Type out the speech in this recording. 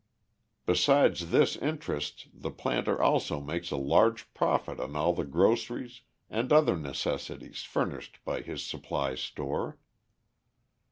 Besides this interest the planter also makes a large profit on all the groceries and other necessaries furnished by his supply store.